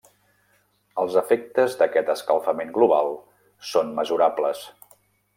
Els efectes d'aquest escalfament global són mesurables.